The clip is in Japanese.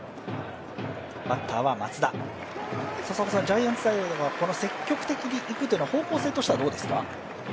ジャイアンツサイドは積極的にいくというのは方向としてはどうですか？